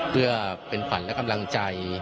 เพื่อเป็นขวัญและกำลังใจ